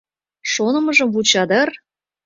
Шонымыжым вуча дыр?